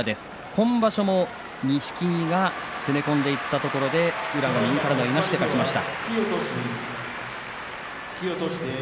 今場所も錦木が攻め込んでいったところで宇良、右からのいなしで勝ちました。